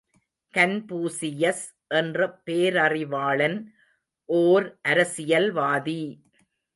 Confucius என்ற பேரறிவாளன் ஓர் அரசியல் வாதி!